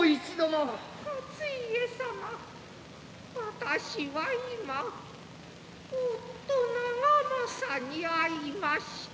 私は今夫長政に会いました。